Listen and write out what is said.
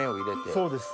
そうです。